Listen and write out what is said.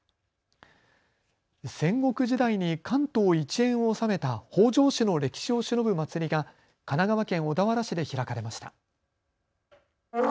戦国時代に関東一円を治めた北条氏の歴史をしのぶ祭りが神奈川県小田原市で開かれました。